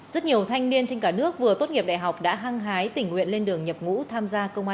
rất nhiều thanh niên trên cả nước vừa tốt nghiệp đại học đã hăng hái tình nguyện lên đường nhập ngũ tham gia công an